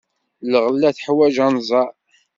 Lɣella teḥwaj anẓar.